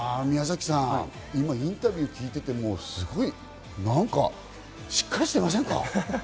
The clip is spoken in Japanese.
宮崎さん、インタビュー聞いていてもしっかりしていませんか？